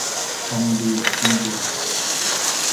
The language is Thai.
แพลน บี มีเดีย